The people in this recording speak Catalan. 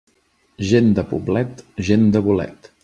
Gent de poblet, gent de bolet.